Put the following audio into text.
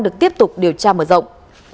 được tiếp tục điều tra mở rộng